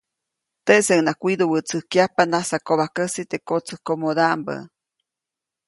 Teʼseʼuŋnaʼajk widuʼwätsäjkya nasakobajkäsi teʼ kotsäjkomodaʼmbä.